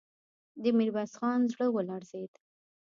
د ميرويس خان زړه ولړزېد.